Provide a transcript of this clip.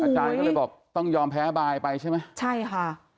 อาจารย์ก็เลยบอกต้องยอมแพ้บายไปใช่ไหมใช่ค่ะ